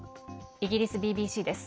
イギリスＢＢＣです。